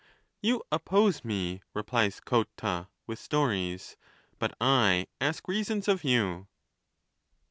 You oppose me, replies Cotta, with stories, but I ask reasons of you.'